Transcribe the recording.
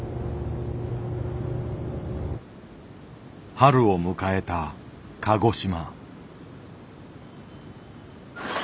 春を迎えた鹿児島。